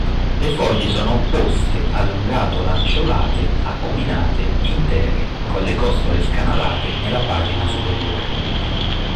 Le foglie sono opposte, allungato-lanceolate, acuminate, intere, con le costole scanalate nella pagina superiore.